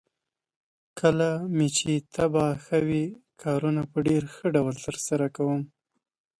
کله مې چې طبعه ښه وي، کارونه په ډېر ښه ډول ترسره کوم.